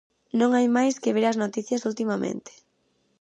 Non hai máis que ver as noticias ultimamente.